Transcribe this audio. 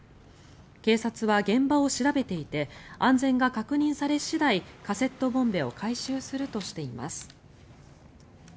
警察は現場を調べていて安全が確認され次第カセットボンベを回収するとしています。